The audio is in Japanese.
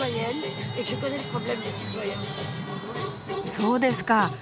そうですか。